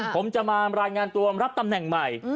ผมจะมารายงานตัวรับตำแหน่งใหม่